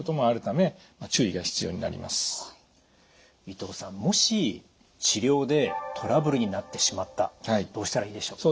伊藤さんもし治療でトラブルになってしまったどうしたらいいでしょう？